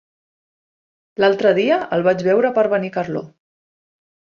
L'altre dia el vaig veure per Benicarló.